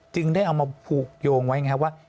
ได้เอามาผูกโยงไว้ไงครับว่า